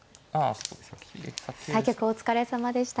対局お疲れさまでした。